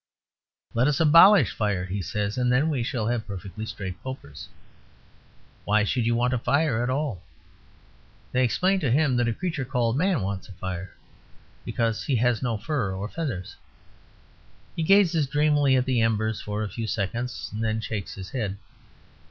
"Let us abolish fire," he says, "and then we shall have perfectly straight pokers. Why should you want a fire at all?" They explain to him that a creature called Man wants a fire, because he has no fur or feathers. He gazes dreamily at the embers for a few seconds, and then shakes his head.